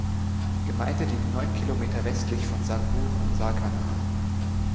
Die Gemeinde liegt neun Kilometer westlich von Sarrebourg am Saarkanal.